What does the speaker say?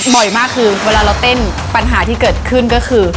บ่อยมากคือเวลาเราเต้นปัญหาที่เกิดขึ้นก็คือ